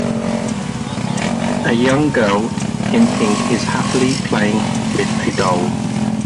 A young girl in pink is happily playing with a doll.